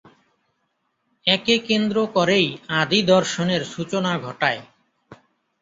একে কেন্দ্র করেই আদি দর্শনের সূচনা ঘটায়।